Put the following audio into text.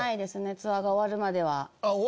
ツアーが終わるまでは。